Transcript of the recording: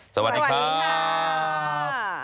สวัสดีครับ